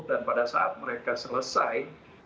dan pada saat mereka selesai